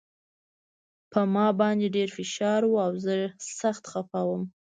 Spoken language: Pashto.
په ما باندې ډېر فشار و او زه سخت خپه وم